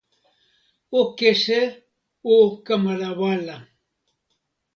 o kese, o kamalawala.